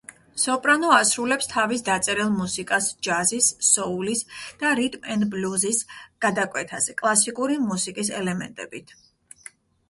სოპრანო, ასრულებს თავის დაწერილ მუსიკას ჯაზის, სოულის და რიტმ-ენდ-ბლუზის გადაკვეთაზე კლასიკური მუსიკის ელემენტებით.